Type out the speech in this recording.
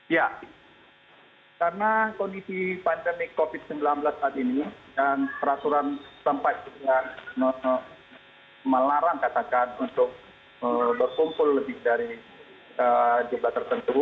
ya karena kondisi pandemi covid sembilan belas saat ini dan peraturan sempat juga melarang katakan untuk berkumpul lebih dari jumlah tertentu